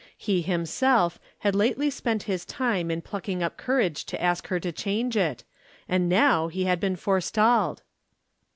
He, himself, had lately spent his time in plucking up courage to ask her to change it and now he had been forestalled.